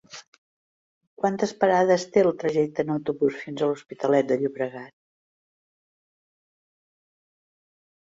Quantes parades té el trajecte en autobús fins a l'Hospitalet de Llobregat?